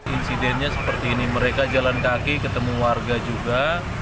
insidennya seperti ini mereka jalan kaki ketemu warga juga